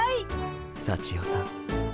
さちよさん。